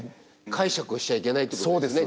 解釈をしちゃいけないってことですね